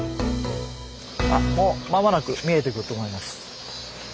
もう間もなく見えてくると思います。